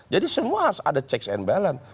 jadi semua harus ada checks and balance